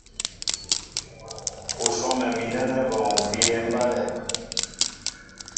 U swɔ́mɛ mi nɛ́nɛ́ bɔŋ u bíyɛ́ mbálɛ.